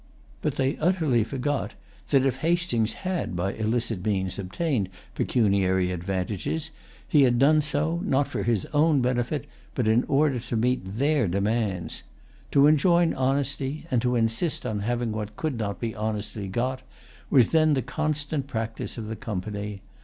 But they utterly forgot that, if Hastings had by illicit means obtained pecuniary advantages, he had done so, not for his own benefit, but in order to meet their demands. To enjoin honesty, and to insist on having what could not be honestly got, was then the constant practice of the Company.